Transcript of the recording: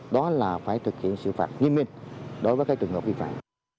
đó là phải thực hiện sự phạt nghiêm minh đối với cái trường hợp vi phạm